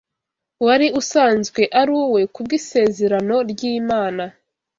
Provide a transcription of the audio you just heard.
wari usanzwe ari uwe kubw’isezerano ry’Imana